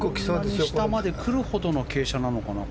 下まで来るほどの傾斜なのかな。